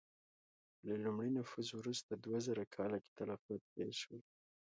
له لومړي نفوذ وروسته دوه زره کاله کې تلفات ډېر شول.